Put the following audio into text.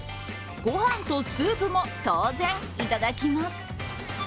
ご飯とスープも当然いただきます。